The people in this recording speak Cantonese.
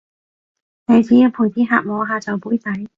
你只要陪啲客摸下酒杯底